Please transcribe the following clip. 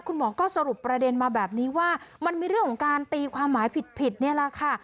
คุณหมอก็สรุปประเด็นมาแบบนี้ว่ามันมีเรื่องของการตีความหมายผิดนี่แหละค่ะ